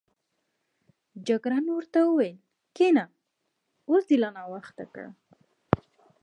جګړن ورته وویل کېنه، اوس دې لا ناوخته کړ.